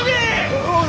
おい